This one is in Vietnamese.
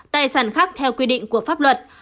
tài sản khác theo quy định của pháp luật